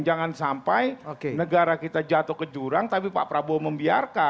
jangan sampai negara kita jatuh ke jurang tapi pak prabowo membiarkan